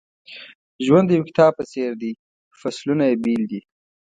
ژوند د یو کتاب په څېر دی فصلونه یې بېل دي.